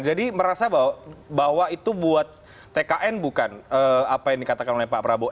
jadi merasa bahwa itu buat tkn bukan apa yang dikatakan oleh pak prabowo